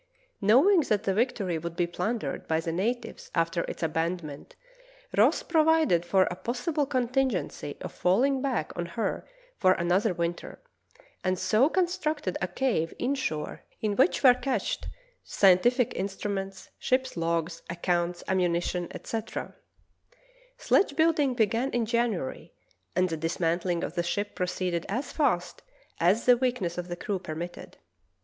Knov/ing that the Victory would be plundered by the natives after its abandonment, Ross provided for a possible contingency of falling back on her for another winter, and so constructed a cave inshore in which were cached scientific instruments, ship's logs, accounts, ammunition, etc. Sledge building began in January, and the dismantling of the ship proceeded as fast as the weakness of the crew permitted.